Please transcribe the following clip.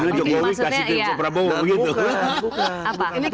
maksudnya jokowi kasihkan supra bau mungkin